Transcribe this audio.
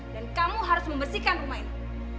dan kamu harus membersihkan rumah ini